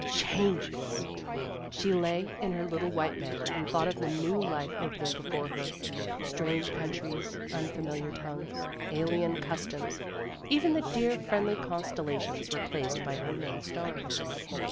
Changes ! She lay in her little white bed and thought of the new life opening before her, strange countries, unfamiliar tongues, alien customs, even the dear, friendly constellations replaced by unknown stars.